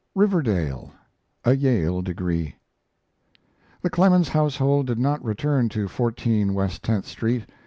RIVERDALE A YALE DEGREE The Clemens household did not return to 14 West Tenth Street.